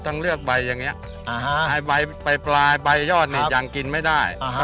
ต้องเลือกใบอย่างเงี้ยอ๋อฮะไอ้ใบไปปลายใบยอดนี่ยังกินไม่ได้อ๋อฮะ